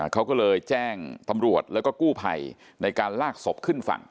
เขาก็เลยแจ้งตำรวจแล้วก็กู้ภัยในการลากศพขึ้นฝั่ง